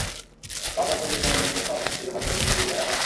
বাঁ প্রান্ত দিয়ে কোমলের নিখুঁত পাস, সিজোবার প্লেসিংয়ে এগিয়ে যায় আবাহনী।